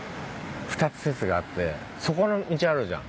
２つ説があってそこの道あるじゃん。